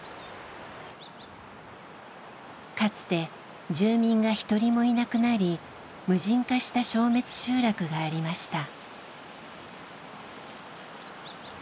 かつて住民が一人もいなくなり無人化した消滅集落がありました。